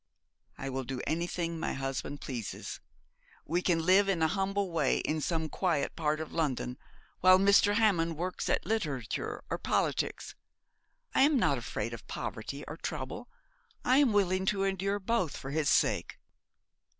'I will do anything my husband pleases. We can live in a humble way in some quiet part of London, while Mr. Hammond works at literature or politics. I am not afraid of poverty or trouble, I am willing to endure both for his sake.'